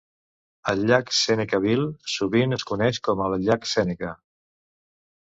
El llac Senecaville sovint es coneix com a llac Seneca.